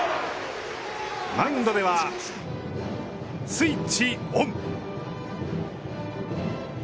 マウンドでは、スイッチオン！